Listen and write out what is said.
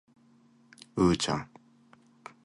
うーちゃん